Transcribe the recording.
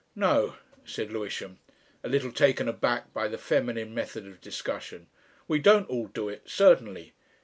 "No," said Lewisham, a little taken aback by the feminine method of discussion. "We don't all do it certainly."